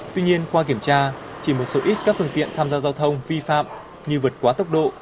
tuy nhiên qua kiểm tra chỉ một số ít các phương tiện tham gia giao thông vi phạm như vượt quá tốc độ